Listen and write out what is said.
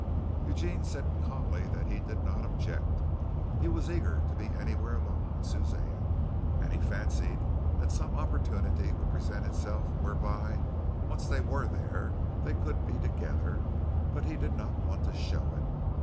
Eugene said calmly that he did not object. He was eager to be anywhere alone with Suzanne, and he fancied that some opportunity would present itself whereby once they were there, they could be together, but he did not want to show it.